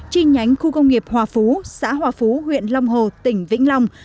chi nhánh khu công nghiệp hòa phú xã hòa phú huyện long hồ tỉnh vĩnh long